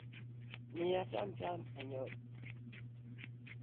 Miya tam tam anyodhi.